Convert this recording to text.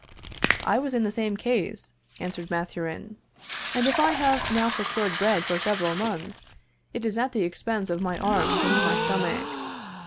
"I was in the same case," answered Mathurin, "and if I have now secured bread for several months, it is at the expense of my arms and my stomach.